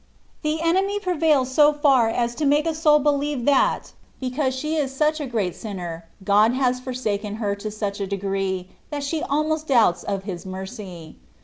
The enemy prevails so far as to make a soul believe that, because she is such a great sinner, God has forsaken her to such a degree, that she almost doubts of his mercy.